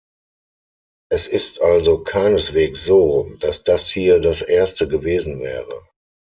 Es ist also keineswegs so, dass das hier das erste gewesen wäre.